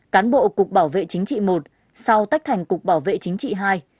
cán bộ cục bảo vệ chính trị i sau tách thành cục bảo vệ chính trị ii